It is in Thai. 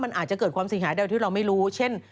มันอาจจะเกิดความเสียหายได้ที่เราไม่รู้เช่น